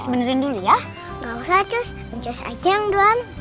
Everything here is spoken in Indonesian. bensin dulu ya enggak usah cus ancus aja yang doang